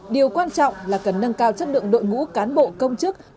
điều quan trọng là cần nâng cao chất lượng đội ngũ cán bộ công chức